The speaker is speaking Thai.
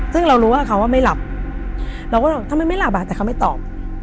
ซึ่งเรารู้ว่าเขาไม่หลับเราก็ทำไมไม่หลับอ่ะแต่เขาไม่ตอบ